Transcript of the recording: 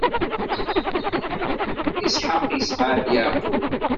Isḥaq isɛa-d Yeɛqub.